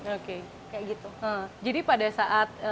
oke jadi pada saat